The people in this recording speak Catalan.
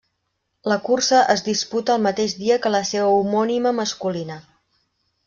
La cursa, es disputa el mateix dia que la seva homònima masculina.